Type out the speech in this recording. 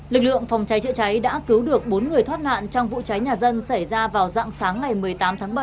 lực lượng phòng cháy chữa cháy đã cứu được bốn người thoát nạn trong vụ cháy nhà dân xảy ra vào dạng sáng ngày một mươi tám tháng bảy